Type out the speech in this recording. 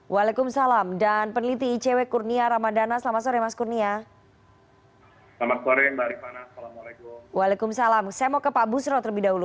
waalaikumsalam saya mau ke pak busro terlebih dahulu